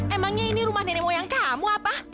emangnya ini rumah nenek moyang kamu apa